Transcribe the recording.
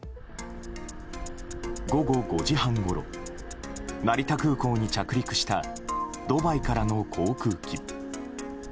午後５時半ごろ成田空港に着陸したドバイからの航空機。